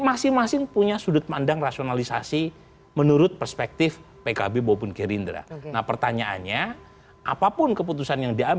masing masing punya sudut mandang rasionalisasi menurut perspektif pkb maupun gerindra nah pertanyaannya